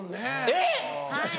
えっ